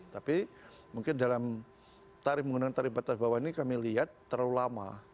tapi mungkin dalam tarif menggunakan tarif batas bawah ini kami lihat terlalu lama